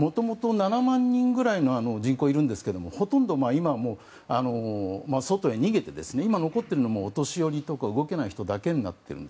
もともと７万人くらいの人口がいるんですけれどもほとんど、今はもう外へ逃げて今、残っているのはお年寄りや動けない人だけになっています。